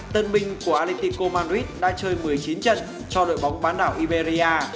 tân binh của alitiko madrid đã chơi một mươi chín trận cho đội bóng bán đảo iberia